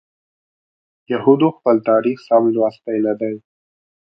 یهودو خپل تاریخ سم لوستی نه دی.